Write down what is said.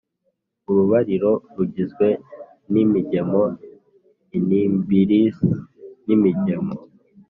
urubariro rugizwe n'im igemo inlmbirse n'imigemo